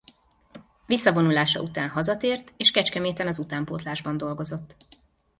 Visszavonulása után hazatért és Kecskeméten az utánpótlásban dolgozott.